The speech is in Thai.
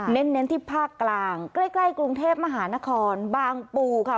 เน้นที่ภาคกลางใกล้กรุงเทพมหานครบางปูค่ะ